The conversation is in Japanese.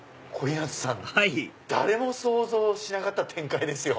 はい誰も想像しなかった展開ですよ。